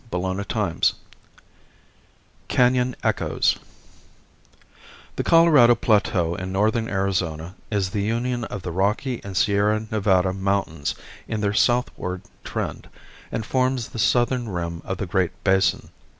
CHAPTER X CANON ECHOES The Colorado Plateau, in northern Arizona, is the union of the Rocky and Sierra Nevada mountains in their southward trend, and forms the southern rim of the Great Basin.